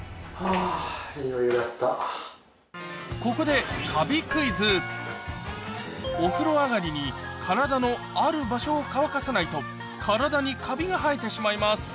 ここでお風呂上がりに体のある場所を乾かさないと体にカビが生えてしまいます